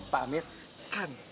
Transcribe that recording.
pak amir khan